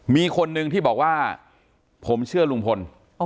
มีคนนึงที่บอกว่าผมเชื่อลุงพล